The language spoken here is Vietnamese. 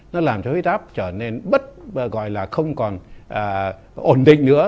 nó làm cho huyết áp trở nên bất gọi là không còn ổn định nữa